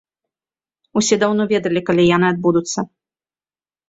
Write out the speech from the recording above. Усе даўно ведалі, калі яны адбудуцца.